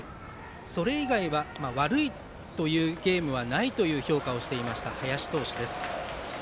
それ以外は悪いというゲームはないという評価をしていました、林投手です。